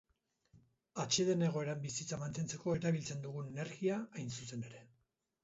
Atseden egoeran bizitza mantentzeko erabiltzen dugun energia hain zuzen ere.